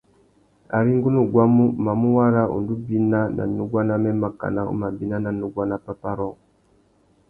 Ari ngu nú guamú, mamú wara undú bina nà nuguá namê makana u má bina ná nuguá nà pápá rôō .